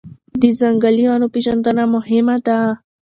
د ځنګلي ونو پېژندنه مهمه ده.